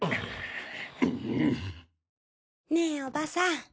小声ねえおばさん。